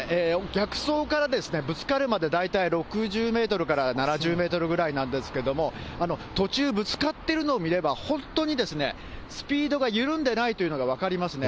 逆走からぶつかるまで、大体６０メートルから７０メートルぐらいなんですけども、途中、ぶつかってるのを見れば、本当にスピードが緩んでないというのが分かりますね。